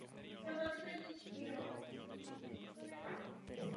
Studovala na univerzitách v Moskvě a Paříži a doktorát z literatury získala na Sorbonně.